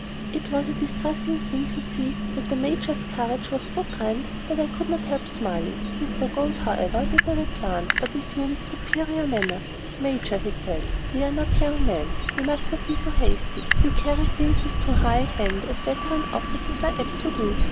It was a distressing thing to see, and the Major's courage was so grand that I could not help smiling. Mr. Goad, however, did not advance, but assumed a superior manner. "Major," he said, "we are not young men; we must not be so hasty. You carry things with too high a hand, as veteran officers are apt to do.